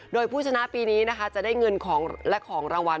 โดยผู้ชนะปีนี้นะคะจะได้เงินและของรางวัล